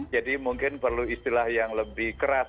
jadi mungkin perlu istilah yang lebih keras